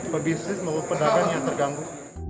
pebisnis maupun pedagang yang terganggu